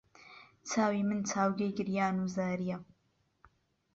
چاوی من چاوگەی گریان و زاری